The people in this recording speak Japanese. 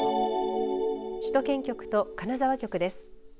首都圏局と金沢局です。